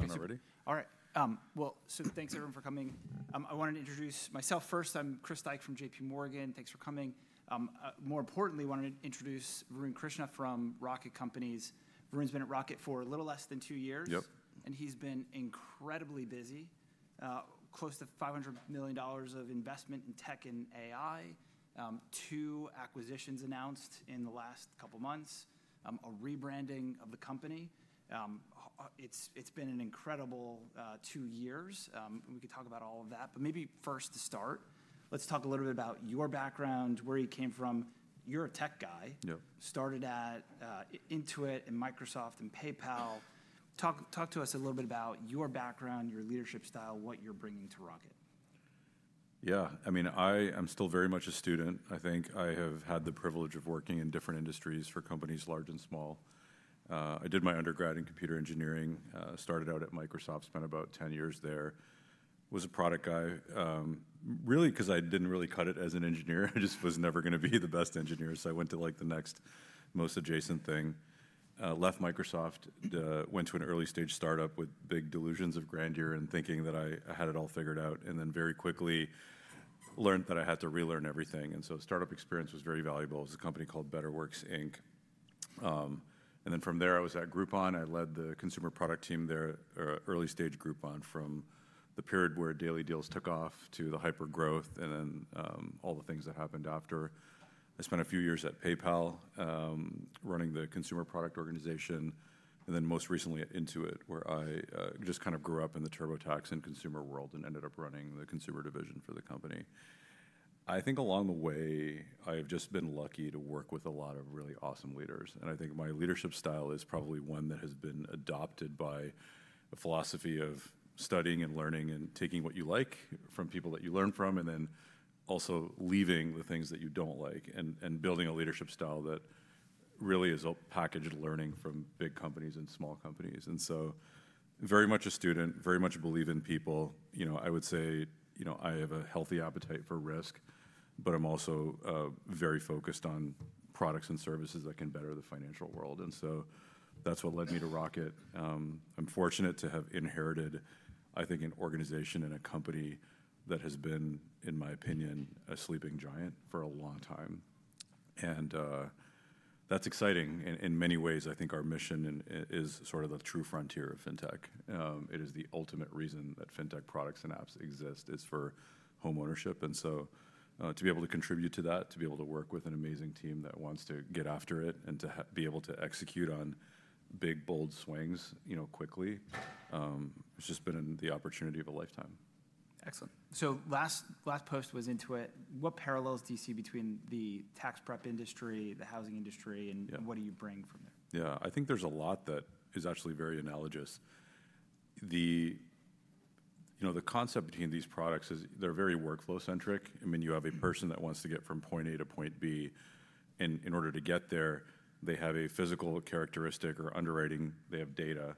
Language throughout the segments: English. That's about it. We're going to hang out in New York sometime. Yeah. Ready to go? Yep. Do you press on there? Are these on? Are we on already? All right. Thanks, everyone, for coming. I wanted to introduce myself first. I'm Chris Dyke from JPMorgan. Thanks for coming. More importantly, I wanted to introduce Varun Krishna from Rocket Companies. Varun's been at Rocket for a little less than two years. Yep. He's been incredibly busy. Close to $500 million of investment in tech and AI. Two acquisitions announced in the last couple of months. A rebranding of the company. It's been an incredible two years. We could talk about all of that. Maybe first, to start, let's talk a little bit about your background, where you came from. You're a tech guy. Yep. Started at Intuit and Microsoft and PayPal. Talk to us a little bit about your background, your leadership style, what you're bringing to Rocket. Yeah. I mean, I am still very much a student. I think I have had the privilege of working in different industries for companies large and small. I did my undergrad in computer engineering, started out at Microsoft, spent about 10 years there. Was a product guy, really, because I didn't really cut it as an engineer. I just was never going to be the best engineer. I went to, like, the next most adjacent thing. Left Microsoft, went to an early-stage startup with big delusions of grandeur and thinking that I had it all figured out. I very quickly learned that I had to relearn everything. Startup experience was very valuable. It was a company called Betterworks Inc. From there, I was at Groupon. I led the consumer product team there, early-stage Groupon, from the period where daily deals took off to the hyper-growth and then all the things that happened after. I spent a few years at PayPal running the consumer product organization. Most recently at Intuit, where I just kind of grew up in the TurboTax and consumer world and ended up running the consumer division for the company. I think along the way, I have just been lucky to work with a lot of really awesome leaders. I think my leadership style is probably one that has been adopted by a philosophy of studying and learning and taking what you like from people that you learn from, and then also leaving the things that you do not like and building a leadership style that really is all packaged learning from big companies and small companies. Very much a student, very much believe in people. You know, I would say, you know, I have a healthy appetite for risk, but I'm also very focused on products and services that can better the financial world. That's what led me to Rocket. I'm fortunate to have inherited, I think, an organization and a company that has been, in my opinion, a sleeping giant for a long time. That's exciting. In many ways, I think our mission is sort of the true frontier of fintech. It is the ultimate reason that fintech products and apps exist, is for homeownership. To be able to contribute to that, to be able to work with an amazing team that wants to get after it and to be able to execute on big, bold swings, you know, quickly, it's just been the opportunity of a lifetime. Excellent. Last post was Intuit. What parallels do you see between the tax prep industry, the housing industry, and what do you bring from there? Yeah. I think there's a lot that is actually very analogous. You know, the concept between these products is they're very workflow-centric. I mean, you have a person that wants to get from point A to point B. In order to get there, they have a physical characteristic or underwriting. They have data.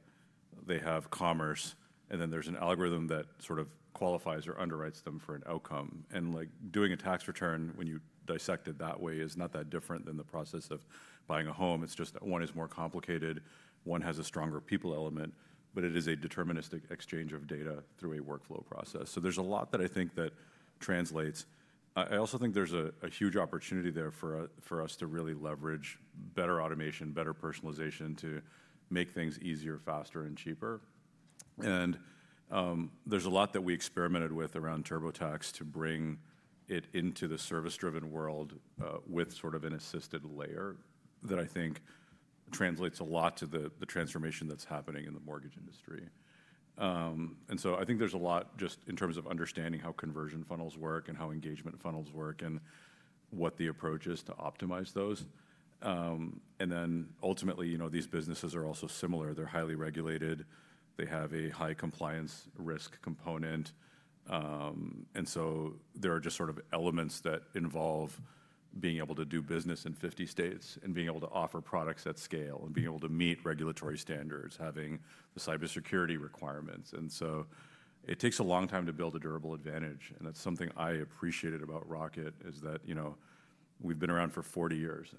They have commerce. Then there's an algorithm that sort of qualifies or underwrites them for an outcome. Like, doing a tax return when you dissect it that way is not that different than the process of buying a home. It's just one is more complicated. One has a stronger people element, but it is a deterministic exchange of data through a workflow process. There's a lot that I think translates. I also think there's a huge opportunity there for us to really leverage better automation, better personalization to make things easier, faster, and cheaper. There's a lot that we experimented with around TurboTax to bring it into the service-driven world with sort of an assisted layer that I think translates a lot to the transformation that's happening in the mortgage industry. I think there's a lot just in terms of understanding how conversion funnels work and how engagement funnels work and what the approach is to optimize those. Ultimately, you know, these businesses are also similar. They're highly regulated. They have a high compliance risk component. There are just sort of elements that involve being able to do business in 50 states and being able to offer products at scale and being able to meet regulatory standards, having the cybersecurity requirements. It takes a long time to build a durable advantage. That's something I appreciated about Rocket is that, you know, we've been around for 40 years.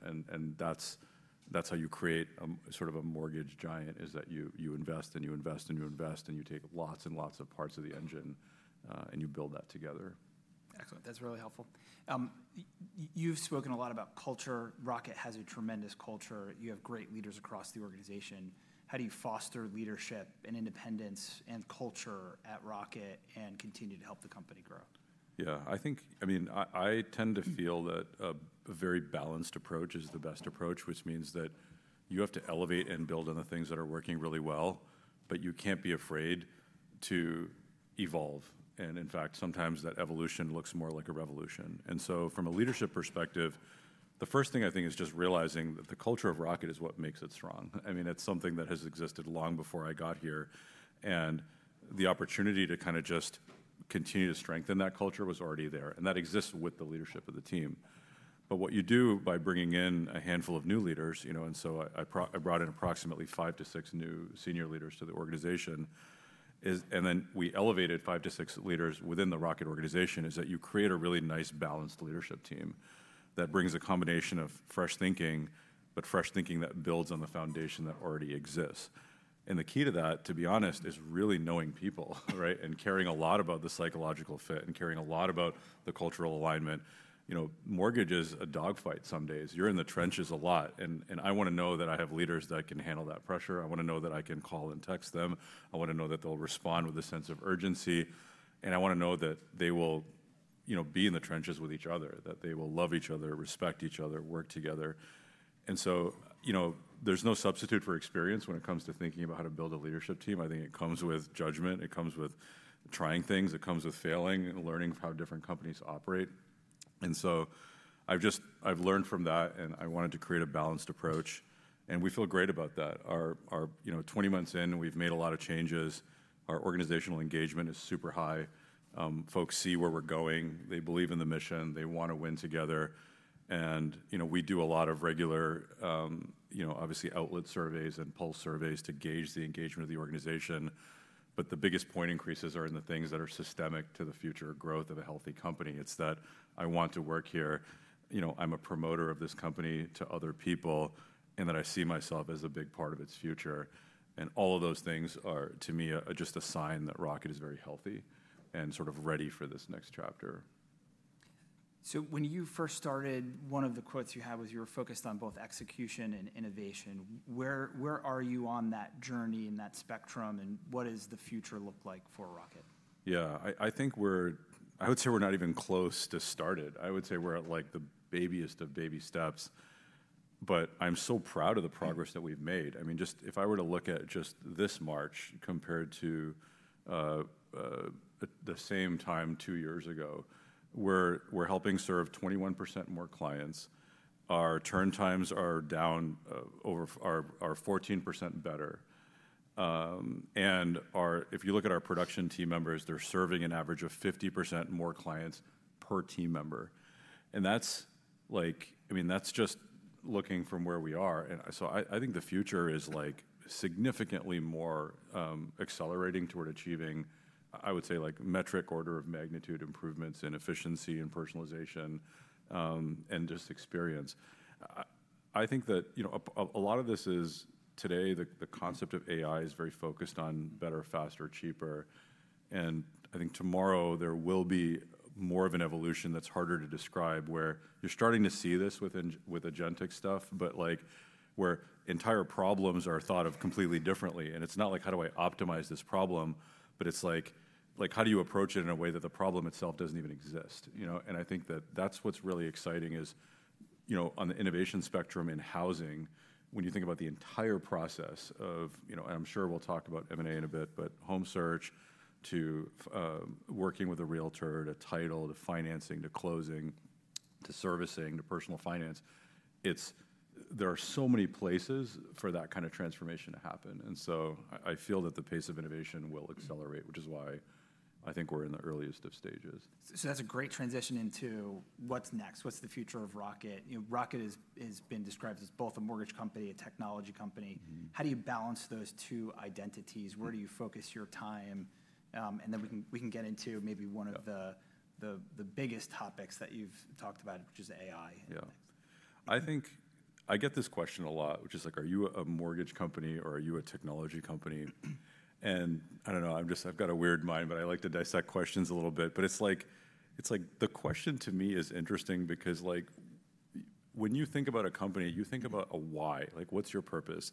That's how you create sort of a mortgage giant, is that you invest and you invest and you invest and you take lots and lots of parts of the engine and you build that together. Excellent. That's really helpful. You've spoken a lot about culture. Rocket has a tremendous culture. You have great leaders across the organization. How do you foster leadership and independence and culture at Rocket and continue to help the company grow? Yeah. I think, I mean, I tend to feel that a very balanced approach is the best approach, which means that you have to elevate and build on the things that are working really well, but you can't be afraid to evolve. In fact, sometimes that evolution looks more like a revolution. From a leadership perspective, the first thing I think is just realizing that the culture of Rocket is what makes it strong. I mean, it's something that has existed long before I got here. The opportunity to kind of just continue to strengthen that culture was already there. That exists with the leadership of the team. What you do by bringing in a handful of new leaders, you know, and so I brought in approximately five to six new senior leaders to the organization, and then we elevated five to six leaders within the Rocket organization, is that you create a really nice balanced leadership team that brings a combination of fresh thinking, but fresh thinking that builds on the foundation that already exists. The key to that, to be honest, is really knowing people, right, and caring a lot about the psychological fit and caring a lot about the cultural alignment. You know, mortgage is a dogfight some days. You're in the trenches a lot. I want to know that I have leaders that can handle that pressure. I want to know that I can call and text them. I want to know that they'll respond with a sense of urgency. I want to know that they will, you know, be in the trenches with each other, that they will love each other, respect each other, work together. You know, there is no substitute for experience when it comes to thinking about how to build a leadership team. I think it comes with judgment. It comes with trying things. It comes with failing and learning how different companies operate. I have just, I have learned from that, and I wanted to create a balanced approach. We feel great about that. Our, you know, 20 months in, we have made a lot of changes. Our organizational engagement is super high. Folks see where we are going. They believe in the mission. They want to win together. You know, we do a lot of regular, you know, obviously outlet surveys and pulse surveys to gauge the engagement of the organization. The biggest point increases are in the things that are systemic to the future growth of a healthy company. It's that I want to work here. You know, I'm a promoter of this company to other people and that I see myself as a big part of its future. All of those things are, to me, just a sign that Rocket is very healthy and sort of ready for this next chapter. When you first started, one of the quotes you had was you were focused on both execution and innovation. Where are you on that journey and that spectrum, and what does the future look like for Rocket? Yeah. I think we're, I would say we're not even close to started. I would say we're at like the babiest of baby steps. But I'm so proud of the progress that we've made. I mean, just if I were to look at just this March compared to the same time two years ago, we're helping serve 21% more clients. Our turn times are down over, are 14% better. And if you look at our production team members, they're serving an average of 50% more clients per team member. And that's like, I mean, that's just looking from where we are. I think the future is like significantly more accelerating toward achieving, I would say, like metric order of magnitude improvements in efficiency and personalization and just experience. I think that, you know, a lot of this is today, the concept of AI is very focused on better, faster, cheaper. I think tomorrow there will be more of an evolution that's harder to describe where you're starting to see this with agentic stuff, but like where entire problems are thought of completely differently. It's not like, how do I optimize this problem? It's like, how do you approach it in a way that the problem itself doesn't even exist? You know, and I think that that's what's really exciting is, you know, on the innovation spectrum in housing, when you think about the entire process of, you know, and I'm sure we'll talk about M&A in a bit, but home search to working with a realtor, to title, to financing, to closing, to servicing, to personal finance, it's, there are so many places for that kind of transformation to happen. I feel that the pace of innovation will accelerate, which is why I think we're in the earliest of stages. That's a great transition into what's next. What's the future of Rocket? You know, Rocket has been described as both a mortgage company, a technology company. How do you balance those two identities? Where do you focus your time? And then we can get into maybe one of the biggest topics that you've talked about, which is AI. Yeah. I think I get this question a lot, which is like, are you a mortgage company or are you a technology company? I don't know, I'm just, I've got a weird mind, but I like to dissect questions a little bit. It's like, the question to me is interesting because like when you think about a company, you think about a why, like what's your purpose?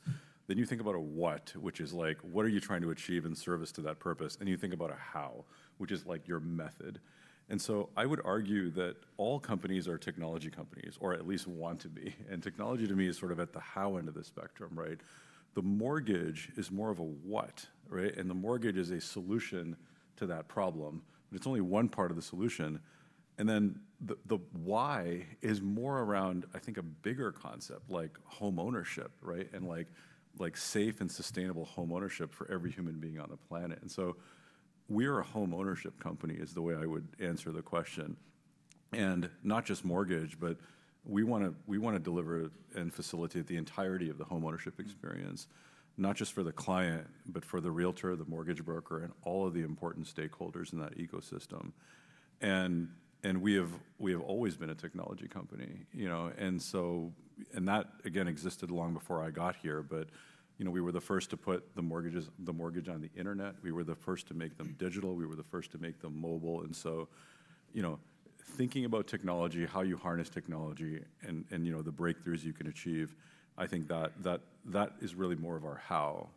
Then you think about a what, which is like, what are you trying to achieve in service to that purpose? You think about a how, which is like your method. I would argue that all companies are technology companies or at least want to be. Technology to me is sort of at the how end of the spectrum, right? The mortgage is more of a what, right? The mortgage is a solution to that problem, but it's only one part of the solution. The why is more around, I think, a bigger concept like homeownership, right? Like safe and sustainable homeownership for every human being on the planet. We are a homeownership company is the way I would answer the question. Not just mortgage, but we want to deliver and facilitate the entirety of the homeownership experience, not just for the client, but for the realtor, the mortgage broker, and all of the important stakeholders in that ecosystem. We have always been a technology company, you know. That again existed long before I got here, but you know, we were the first to put the mortgage on the internet. We were the first to make them digital. We were the first to make them mobile. You know, thinking about technology, how you harness technology and, you know, the breakthroughs you can achieve, I think that that is really more of our how.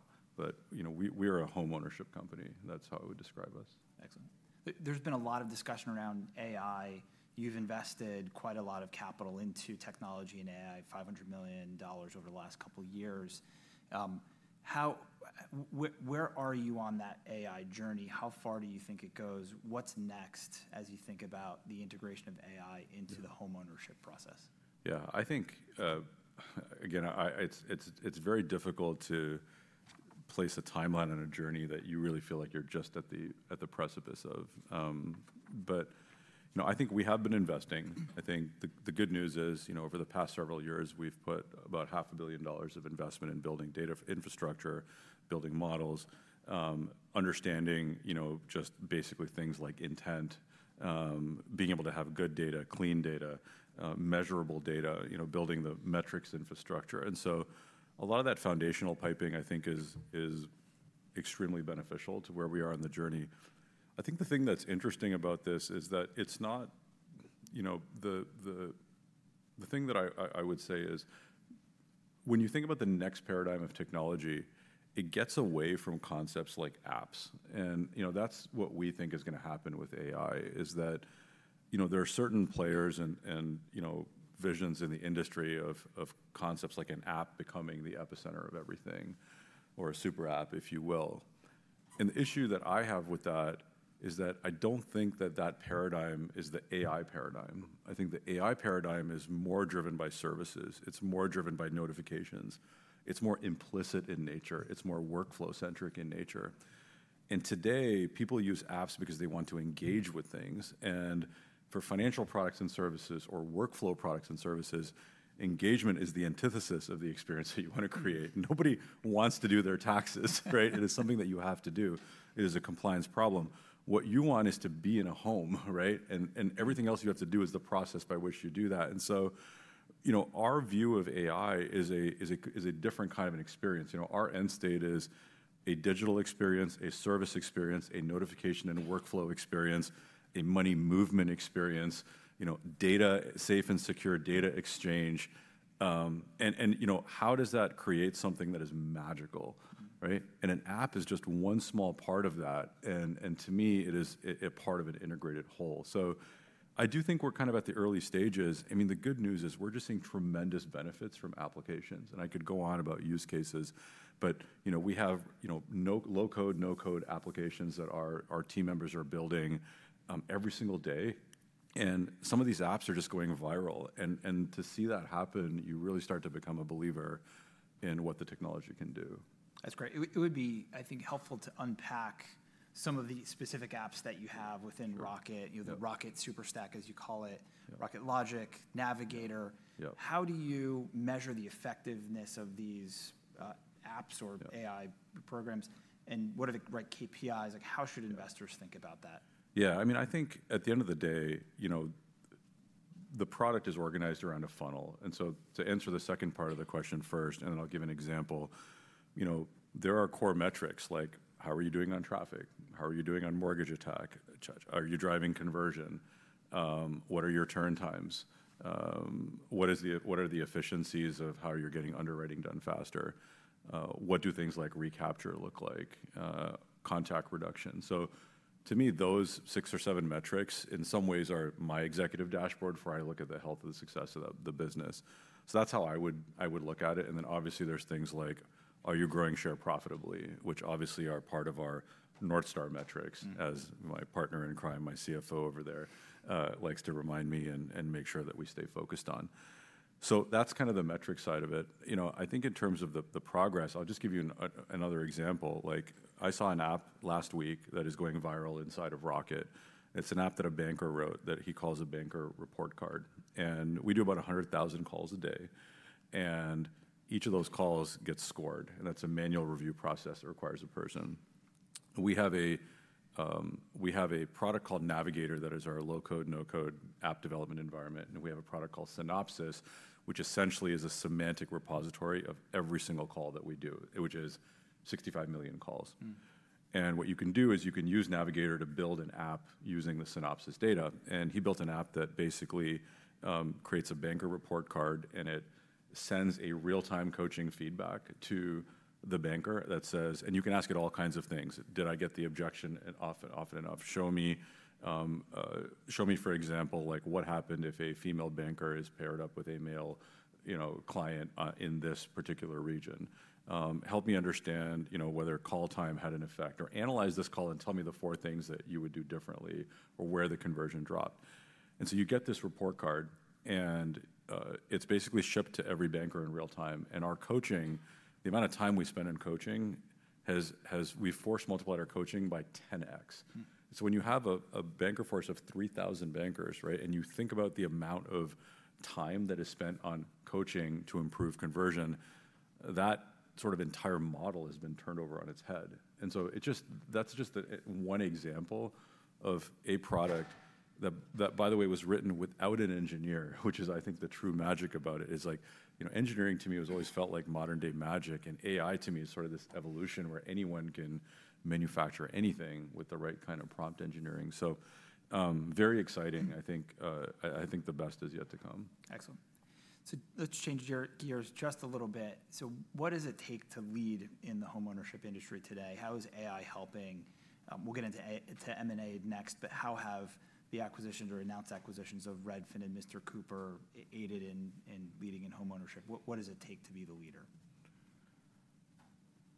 You know, we are a homeownership company. That is how I would describe us. Excellent. There's been a lot of discussion around AI. You've invested quite a lot of capital into technology and AI, $500 million over the last couple of years. How, where are you on that AI journey? How far do you think it goes? What's next as you think about the integration of AI into the homeownership process? Yeah. I think, again, it's very difficult to place a timeline on a journey that you really feel like you're just at the precipice of. But, you know, I think we have been investing. I think the good news is, you know, over the past several years, we've put about $500,000,000 of investment in building data infrastructure, building models, understanding, you know, just basically things like intent, being able to have good data, clean data, measurable data, you know, building the metrics infrastructure. And so a lot of that foundational piping, I think, is extremely beneficial to where we are on the journey. I think the thing that's interesting about this is that it's not, you know, the thing that I would say is when you think about the next paradigm of technology, it gets away from concepts like apps. You know, that's what we think is going to happen with AI is that, you know, there are certain players and, you know, visions in the industry of concepts like an app becoming the epicenter of everything or a super app, if you will. The issue that I have with that is that I don't think that that paradigm is the AI paradigm. I think the AI paradigm is more driven by services. It's more driven by notifications. It's more implicit in nature. It's more workflow-centric in nature. Today, people use apps because they want to engage with things. For financial products and services or workflow products and services, engagement is the antithesis of the experience that you want to create. Nobody wants to do their taxes, right? It is something that you have to do. It is a compliance problem. What you want is to be in a home, right? Everything else you have to do is the process by which you do that. You know, our view of AI is a different kind of an experience. Our end state is a digital experience, a service experience, a notification and workflow experience, a money movement experience, you know, safe and secure data exchange. You know, how does that create something that is magical, right? An app is just one small part of that. To me, it is a part of an integrated whole. I do think we're kind of at the early stages. I mean, the good news is we're just seeing tremendous benefits from applications. I could go on about use cases, but, you know, we have, you know, low-code, no-code applications that our team members are building every single day. Some of these apps are just going viral. To see that happen, you really start to become a believer in what the technology can do. That's great. It would be, I think, helpful to unpack some of the specific apps that you have within Rocket, you know, the Rocket Super Stack, as you call it, Rocket Logic, Navigator. How do you measure the effectiveness of these apps or AI programs? What are the right KPIs? Like how should investors think about that? Yeah. I mean, I think at the end of the day, you know, the product is organized around a funnel. To answer the second part of the question first, and then I'll give an example, you know, there are core metrics like how are you doing on traffic? How are you doing on mortgage attack? Are you driving conversion? What are your turn times? What are the efficiencies of how you're getting underwriting done faster? What do things like recapture look like? Contact reduction. To me, those six or seven metrics in some ways are my executive dashboard for how I look at the health and success of the business. That's how I would look at it. Obviously, there are things like, are you growing share profitably, which obviously are part of our North Star metrics as my partner in crime, my CFO over there likes to remind me and make sure that we stay focused on. That is kind of the metric side of it. You know, I think in terms of the progress, I'll just give you another example. I saw an app last week that is going viral inside of Rocket. It is an app that a banker wrote that he calls a banker report card. We do about 100,000 calls a day, and each of those calls gets scored. That is a manual review process that requires a person. We have a product called Navigator that is our low-code, no-code app development environment. We have a product called Synopsys, which essentially is a semantic repository of every single call that we do, which is 65 million calls. What you can do is you can use Navigator to build an app using the Synopsys data. He built an app that basically creates a banker report card and it sends a real-time coaching feedback to the banker that says, and you can ask it all kinds of things. Did I get the objection often enough? Show me, show me for example, like what happened if a female banker is paired up with a male, you know, client in this particular region. Help me understand, you know, whether call time had an effect or analyze this call and tell me the four things that you would do differently or where the conversion dropped. You get this report card and it's basically shipped to every banker in real time. Our coaching, the amount of time we spend in coaching, we've force multiplied our coaching by 10x. When you have a banker force of 3,000 bankers, right, and you think about the amount of time that is spent on coaching to improve conversion, that sort of entire model has been turned over on its head. It just, that's just one example of a product that, by the way, was written without an engineer, which is, I think, the true magic about it is like, you know, engineering to me has always felt like modern-day magic. AI to me is sort of this evolution where anyone can manufacture anything with the right kind of prompt engineering. Very exciting. I think the best is yet to come. Excellent. Let's change gears just a little bit. What does it take to lead in the homeownership industry today? How is AI helping? We'll get into M&A next, but how have the acquisitions or announced acquisitions of Redfin and Mr. Cooper aided in leading in homeownership? What does it take to be the leader?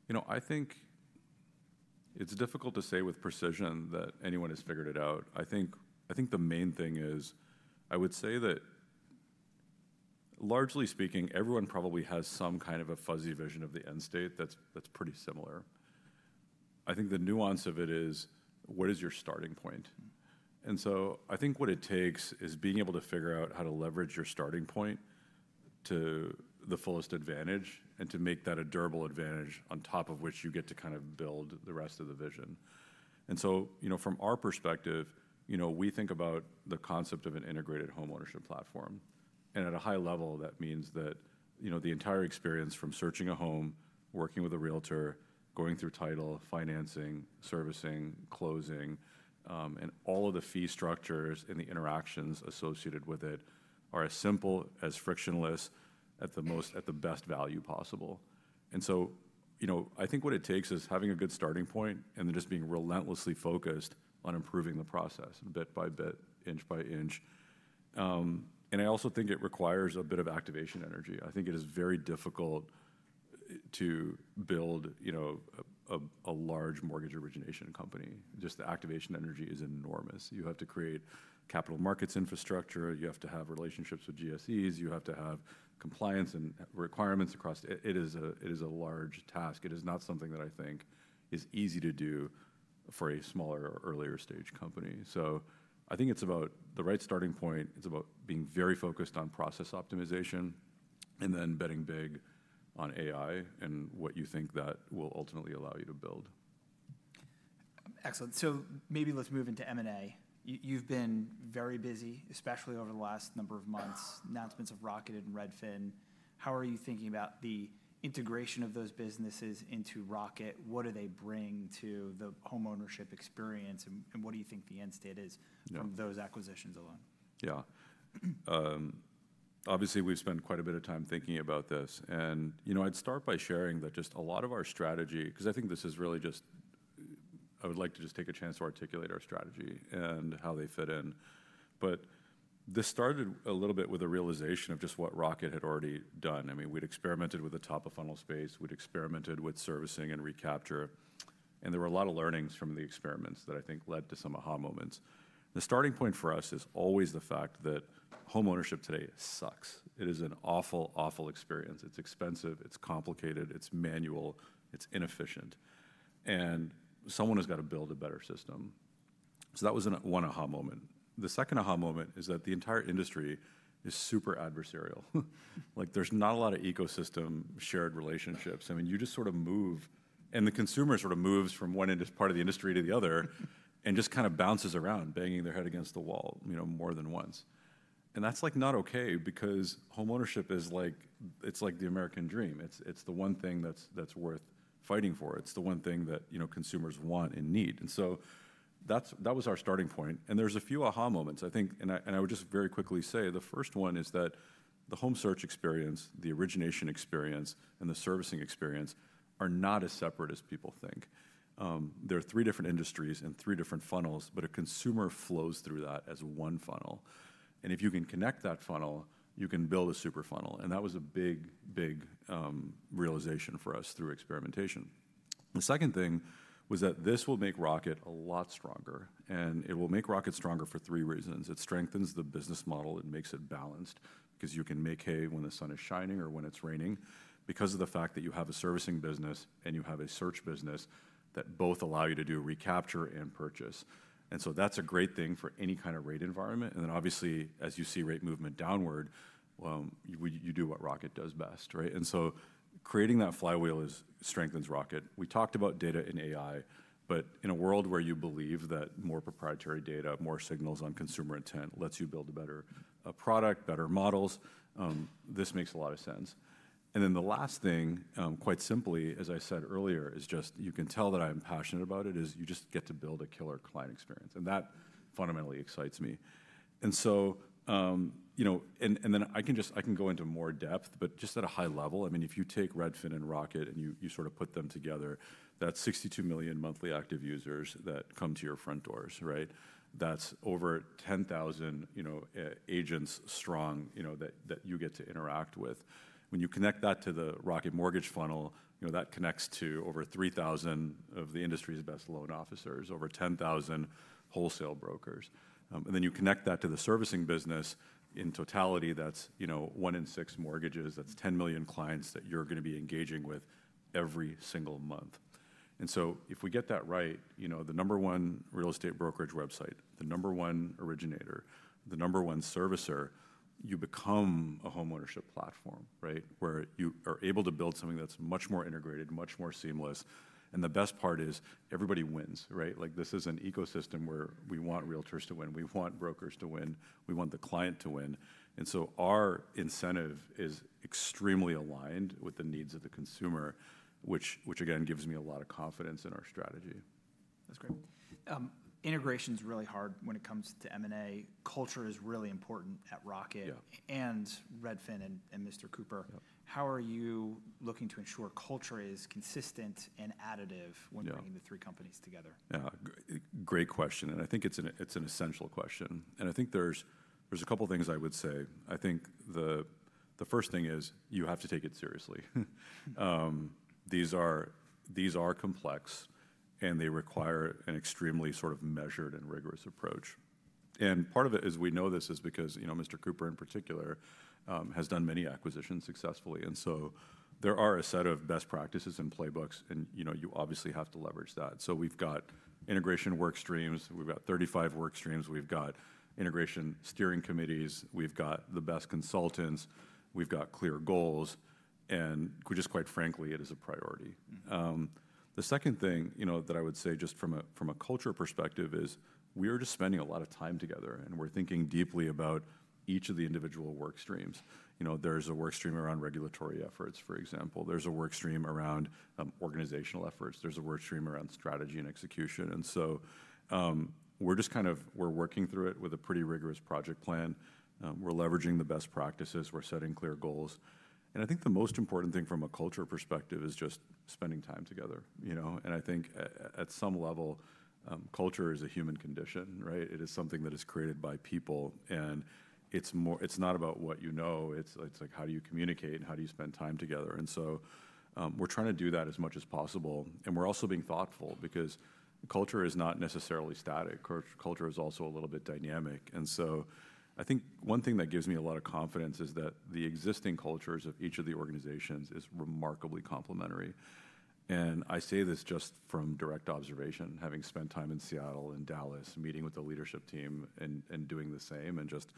You know, I think it's difficult to say with precision that anyone has figured it out. I think the main thing is I would say that largely speaking, everyone probably has some kind of a fuzzy vision of the end state that's pretty similar. I think the nuance of it is what is your starting point? I think what it takes is being able to figure out how to leverage your starting point to the fullest advantage and to make that a durable advantage on top of which you get to kind of build the rest of the vision. You know, from our perspective, you know, we think about the concept of an integrated homeownership platform. At a high level, that means that, you know, the entire experience from searching a home, working with a realtor, going through title, financing, servicing, closing, and all of the fee structures and the interactions associated with it are as simple as frictionless at the best value possible. You know, I think what it takes is having a good starting point and then just being relentlessly focused on improving the process bit by bit, inch by inch. I also think it requires a bit of activation energy. I think it is very difficult to build, you know, a large mortgage origination company. Just the activation energy is enormous. You have to create capital markets infrastructure. You have to have relationships with GSEs. You have to have compliance and requirements across. It is a large task. It is not something that I think is easy to do for a smaller or earlier stage company. I think it's about the right starting point. It's about being very focused on process optimization and then betting big on AI and what you think that will ultimately allow you to build. Excellent. Maybe let's move into M&A. You've been very busy, especially over the last number of months, announcements of Rocket and Redfin. How are you thinking about the integration of those businesses into Rocket? What do they bring to the homeownership experience and what do you think the end state is from those acquisitions alone? Yeah. Obviously, we've spent quite a bit of time thinking about this. And, you know, I'd start by sharing that just a lot of our strategy, because I think this is really just, I would like to just take a chance to articulate our strategy and how they fit in. But this started a little bit with a realization of just what Rocket had already done. I mean, we'd experimented with the top of funnel space. We'd experimented with servicing and recapture. And there were a lot of learnings from the experiments that I think led to some aha moments. The starting point for us is always the fact that homeownership today sucks. It is an awful, awful experience. It's expensive. It's complicated. It's manual. It's inefficient. And someone has got to build a better system. So that was one aha moment. The second aha moment is that the entire industry is super adversarial. Like there's not a lot of ecosystem shared relationships. I mean, you just sort of move, and the consumer sort of moves from one part of the industry to the other and just kind of bounces around, banging their head against the wall, you know, more than once. That's like not okay because homeownership is like, it's like the American dream. It's the one thing that's worth fighting for. It's the one thing that, you know, consumers want and need. That was our starting point. There's a few aha moments, I think. I would just very quickly say the first one is that the home search experience, the origination experience, and the servicing experience are not as separate as people think. There are three different industries and three different funnels, but a consumer flows through that as one funnel. If you can connect that funnel, you can build a super funnel. That was a big, big realization for us through experimentation. The second thing was that this will make Rocket a lot stronger. It will make Rocket stronger for three reasons. It strengthens the business model. It makes it balanced because you can make hay when the sun is shining or when it's raining because of the fact that you have a servicing business and you have a search business that both allow you to do recapture and purchase. That is a great thing for any kind of rate environment. Obviously, as you see rate movement downward, you do what Rocket does best, right? Creating that flywheel strengthens Rocket. We talked about data and AI, but in a world where you believe that more proprietary data, more signals on consumer intent lets you build a better product, better models, this makes a lot of sense. The last thing, quite simply, as I said earlier, is just you can tell that I'm passionate about it is you just get to build a killer client experience. That fundamentally excites me. You know, I can go into more depth, but just at a high level, I mean, if you take Redfin and Rocket and you sort of put them together, that's 62 million monthly active users that come to your front doors, right? That's over 10,000 agents strong, you know, that you get to interact with. When you connect that to the Rocket Mortgage funnel, you know, that connects to over 3,000 of the industry's best loan officers, over 10,000 wholesale brokers. You connect that to the servicing business in totality, that's, you know, one in six mortgages, that's 10 million clients that you're going to be engaging with every single month. If we get that right, you know, the number one real estate brokerage website, the number one originator, the number one servicer, you become a homeownership platform, right? Where you are able to build something that's much more integrated, much more seamless. The best part is everybody wins, right? Like this is an ecosystem where we want realtors to win. We want brokers to win. We want the client to win. Our incentive is extremely aligned with the needs of the consumer, which again gives me a lot of confidence in our strategy. That's great. Integration is really hard when it comes to M&A. Culture is really important at Rocket and Redfin and Mr. Cooper. How are you looking to ensure culture is consistent and additive when bringing the three companies together? Yeah. Great question. I think it's an essential question. I think there's a couple of things I would say. I think the first thing is you have to take it seriously. These are complex and they require an extremely sort of measured and rigorous approach. Part of it is we know this is because, you know, Mr. Cooper in particular has done many acquisitions successfully. There are a set of best practices and playbooks. You obviously have to leverage that. We've got integration work streams. We've got 35 work streams. We've got integration steering committees. We've got the best consultants. We've got clear goals. Just quite frankly, it is a priority. The second thing, you know, that I would say just from a culture perspective is we're just spending a lot of time together and we're thinking deeply about each of the individual work streams. You know, there's a work stream around regulatory efforts, for example. There's a work stream around organizational efforts. There's a work stream around strategy and execution. We're just kind of, we're working through it with a pretty rigorous project plan. We're leveraging the best practices. We're setting clear goals. I think the most important thing from a culture perspective is just spending time together, you know? I think at some level, culture is a human condition, right? It is something that is created by people. It's not about what you know. It's like how do you communicate and how do you spend time together? We're trying to do that as much as possible. We're also being thoughtful because culture is not necessarily static. Culture is also a little bit dynamic. I think one thing that gives me a lot of confidence is that the existing cultures of each of the organizations are remarkably complementary. I say this just from direct observation, having spent time in Seattle and Dallas meeting with the leadership team and doing the same and just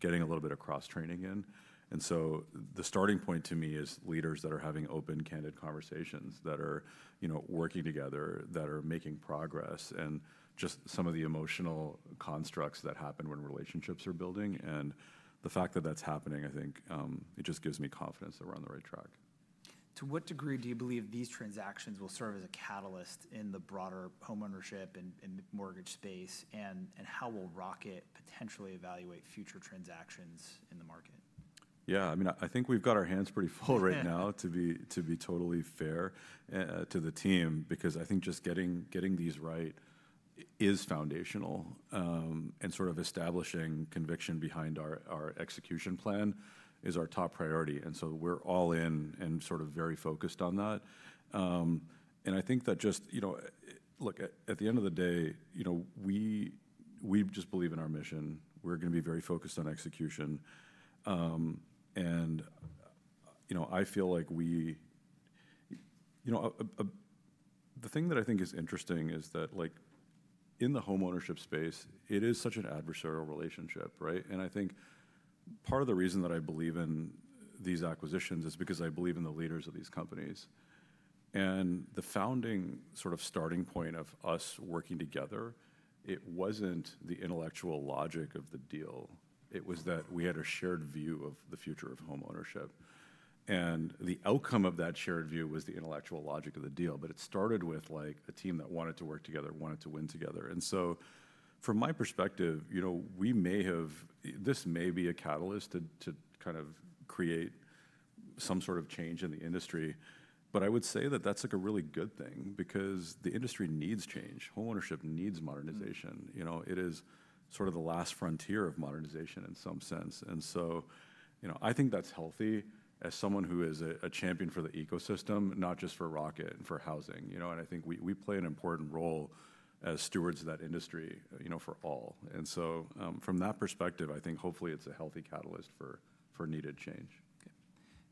getting a little bit of cross-training in. The starting point to me is leaders that are having open, candid conversations that are, you know, working together, that are making progress and just some of the emotional constructs that happen when relationships are building. The fact that that's happening, I think it just gives me confidence that we're on the right track. To what degree do you believe these transactions will serve as a catalyst in the broader homeownership and mortgage space, and how will Rocket potentially evaluate future transactions in the market? Yeah. I mean, I think we've got our hands pretty full right now, to be totally fair to the team, because I think just getting these right is foundational. And sort of establishing conviction behind our execution plan is our top priority. We're all in and sort of very focused on that. I think that just, you know, look, at the end of the day, you know, we just believe in our mission. We're going to be very focused on execution. You know, I feel like we, you know, the thing that I think is interesting is that like in the homeownership space, it is such an adversarial relationship, right? I think part of the reason that I believe in these acquisitions is because I believe in the leaders of these companies. The founding sort of starting point of us working together, it was not the intellectual logic of the deal. It was that we had a shared view of the future of homeownership. The outcome of that shared view was the intellectual logic of the deal. It started with like a team that wanted to work together, wanted to win together. From my perspective, you know, we may have, this may be a catalyst to kind of create some sort of change in the industry. I would say that is like a really good thing because the industry needs change. Homeownership needs modernization. You know, it is sort of the last frontier of modernization in some sense. You know, I think that is healthy as someone who is a champion for the ecosystem, not just for Rocket and for housing. You know, and I think we play an important role as stewards of that industry, you know, for all. From that perspective, I think hopefully it's a healthy catalyst for needed change.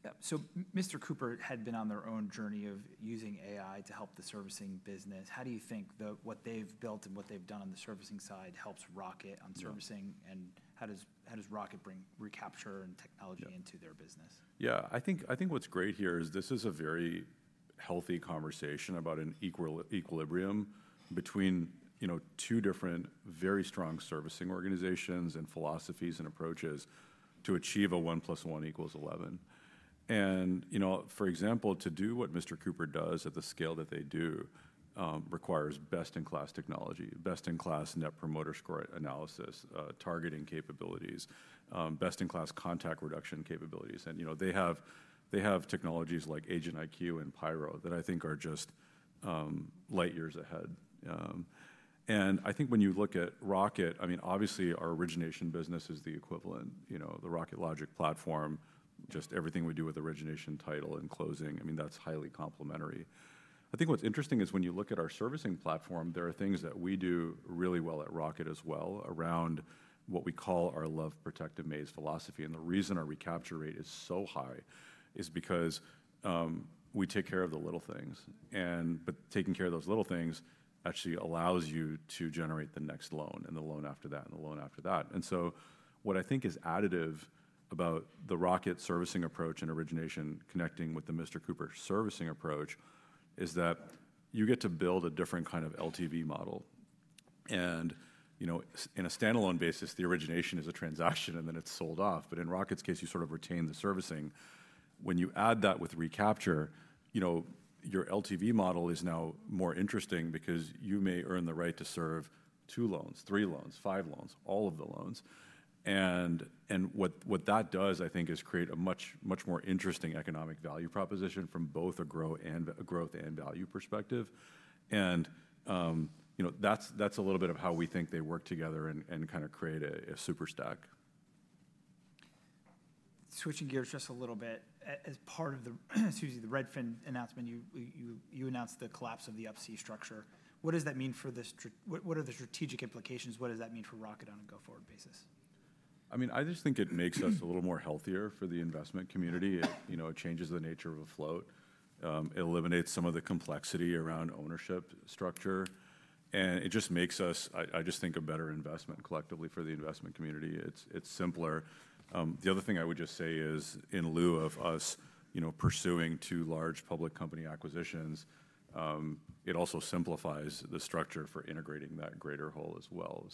Yeah. Mr. Cooper had been on their own journey of using AI to help the servicing business. How do you think what they've built and what they've done on the servicing side helps Rocket on servicing? How does Rocket bring recapture and technology into their business? Yeah. I think what's great here is this is a very healthy conversation about an equilibrium between, you know, two different very strong servicing organizations and philosophies and approaches to achieve a one plus one equals 11. For example, to do what Mr. Cooper does at the scale that they do requires best in class technology, best in class net promoter score analysis, targeting capabilities, best in class contact reduction capabilities. You know, they have technologies like Agent IQ and Pyro that I think are just light years ahead. I think when you look at Rocket, I mean, obviously our origination business is the equivalent, you know, the Rocket Logic platform, just everything we do with origination, title, and closing. I mean, that's highly complementary. I think what's interesting is when you look at our servicing platform, there are things that we do really well at Rocket as well around what we call our love protective maze philosophy. The reason our recapture rate is so high is because we take care of the little things. Taking care of those little things actually allows you to generate the next loan and the loan after that and the loan after that. What I think is additive about the Rocket servicing approach and origination connecting with the Mr. Cooper servicing approach is that you get to build a different kind of LTV model. You know, in a standalone basis, the origination is a transaction and then it's sold off. In Rocket's case, you sort of retain the servicing. When you add that with recapture, you know, your LTV model is now more interesting because you may earn the right to serve two loans, three loans, five loans, all of the loans. What that does, I think, is create a much, much more interesting economic value proposition from both a growth and value perspective. You know, that's a little bit of how we think they work together and kind of create a super stack. Switching gears just a little bit, as part of the, excuse me, the Redfin announcement, you announced the collapse of the Up-C structure. What does that mean for this, what are the strategic implications? What does that mean for Rocket on a go-forward basis? I mean, I just think it makes us a little more healthier for the investment community. You know, it changes the nature of a float. It eliminates some of the complexity around ownership structure. It just makes us, I just think, a better investment collectively for the investment community. It's simpler. The other thing I would just say is in lieu of us, you know, pursuing two large public company acquisitions, it also simplifies the structure for integrating that greater whole as well.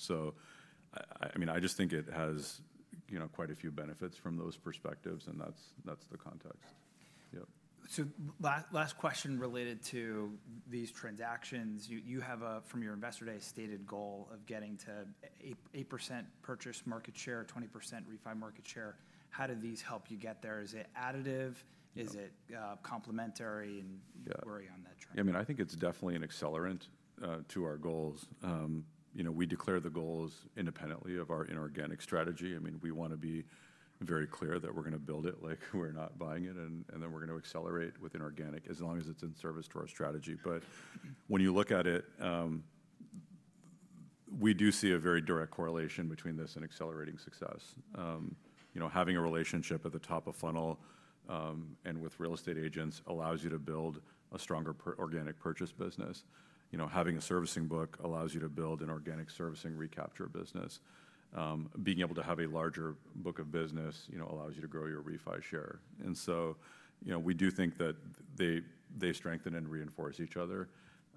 I mean, I just think it has, you know, quite a few benefits from those perspectives. That's the context. Yep. Last question related to these transactions. You have a, from your investor day, stated goal of getting to 8% purchase market share, 20% refi market share. How do these help you get there? Is it additive? Is it complementary? And are we on that track? Yeah. I mean, I think it's definitely an accelerant to our goals. You know, we declare the goals independently of our inorganic strategy. I mean, we want to be very clear that we're going to build it like we're not buying it. And then we're going to accelerate with inorganic as long as it's in service to our strategy. When you look at it, we do see a very direct correlation between this and accelerating success. You know, having a relationship at the top of funnel and with real estate agents allows you to build a stronger organic purchase business. You know, having a servicing book allows you to build an organic servicing recapture business. Being able to have a larger book of business, you know, allows you to grow your refund share. And so, you know, we do think that they strengthen and reinforce each other.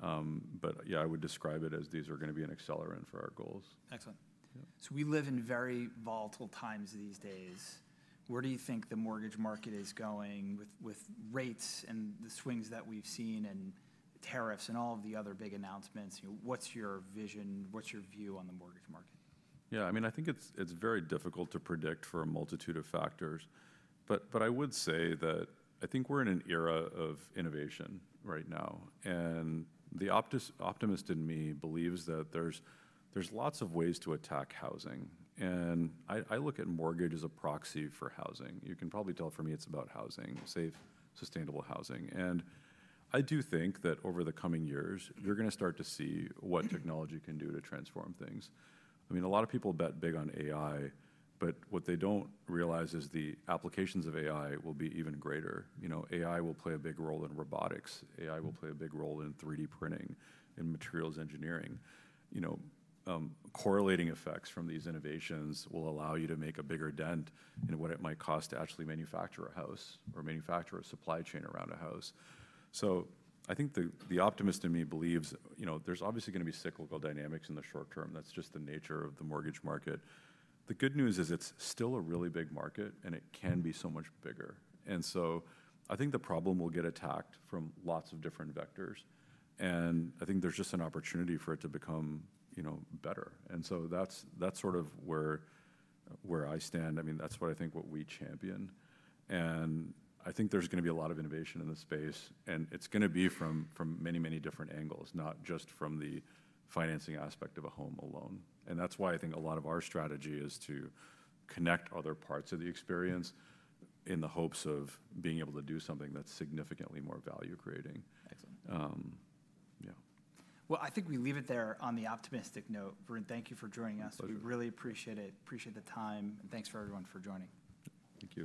Yeah, I would describe it as these are going to be an accelerant for our goals. Excellent. We live in very volatile times these days. Where do you think the mortgage market is going with rates and the swings that we've seen and tariffs and all of the other big announcements? What's your vision? What's your view on the mortgage market? Yeah. I mean, I think it's very difficult to predict for a multitude of factors. I would say that I think we're in an era of innovation right now. The optimist in me believes that there's lots of ways to attack housing. I look at mortgage as a proxy for housing. You can probably tell for me it's about housing, safe, sustainable housing. I do think that over the coming years, you're going to start to see what technology can do to transform things. I mean, a lot of people bet big on AI, but what they don't realize is the applications of AI will be even greater. You know, AI will play a big role in robotics. AI will play a big role in 3D printing, in materials engineering. You know, correlating effects from these innovations will allow you to make a bigger dent in what it might cost to actually manufacture a house or manufacture a supply chain around a house. I think the optimist in me believes, you know, there's obviously going to be cyclical dynamics in the short term. That's just the nature of the mortgage market. The good news is it's still a really big market and it can be so much bigger. I think the problem will get attacked from lots of different vectors. I think there's just an opportunity for it to become, you know, better. That's sort of where I stand. I mean, that's what I think what we champion. I think there's going to be a lot of innovation in the space. It is going to be from many, many different angles, not just from the financing aspect of a home alone. That is why I think a lot of our strategy is to connect other parts of the experience in the hopes of being able to do something that is significantly more value creating. Excellent. Yeah. I think we leave it there on the optimistic note. Bryn, thank you for joining us. Pleasure. We really appreciate it. Appreciate the time. Thanks for everyone for joining. Thank you.